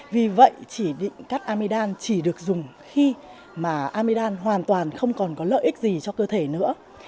vì vậy chỉ định cắt amidam chỉ được dùng khi mà amidam hoàn toàn không còn có lợi ích gì cho cơ thể nữa